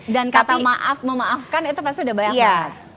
dan kata maaf memaafkan itu pasti sudah banyak banget